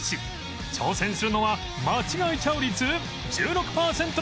挑戦するのは間違えちゃう率１６パーセントの問題